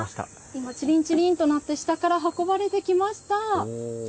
今、ちりんちりんと鳴って下から運ばれてきました。